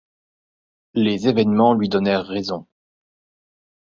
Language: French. Les évènements lui donneront raison.